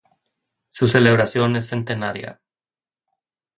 Su celebración es centenaria.